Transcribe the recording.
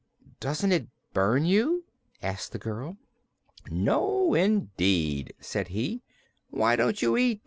"Doesn't it burn you?" asked the girl. "No indeed," said he. "Why don't you eat?